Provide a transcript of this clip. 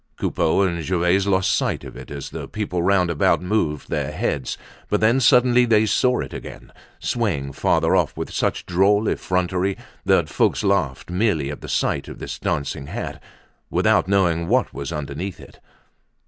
Coupeau and Gervaise lost sight of it as the people round about moved their heads, but then suddenly they saw it again, swaying farther off with such droll effrontery that folks laughed merely at the sight of this dancing hat, without knowing what was underneath it.